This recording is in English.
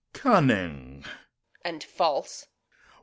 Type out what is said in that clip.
Cunning. Reg. And false.